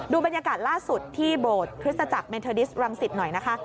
บรรยากาศล่าสุดที่โบสถ์คริสตจักรเมนเทอร์ดิสรังสิตหน่อยนะคะ